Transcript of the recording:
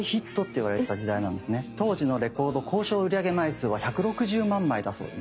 当時のレコード公称売り上げ枚数は１６０万枚だそうで。